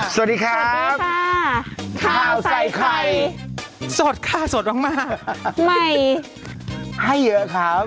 สวัสดีครับค่ะข้าวใส่ไข่สดค่ะสดมากใหม่ให้เยอะครับ